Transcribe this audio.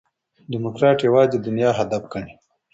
ډيموکراټ یوازي دنیا هدف ګڼي.